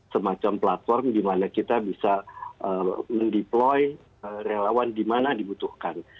semacam platform dimana kita bisa deploy relawan dimana dibutuhkan